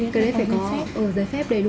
cái đấy phải có giấy phép đầy đủ